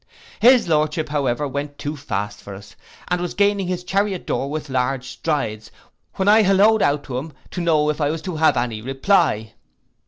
His lordship, however, went too fast for us, and was gaining his Chariot door with large strides, when I hallowed out to know if I was to have any reply.